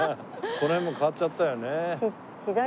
この辺も変わっちゃったよね。